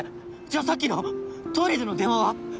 じゃあさっきのトイレでの電話は？